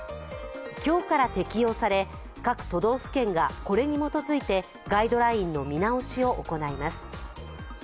今日から適用され、各都道府県がこれに基づいてガイドラインの見直しを行います。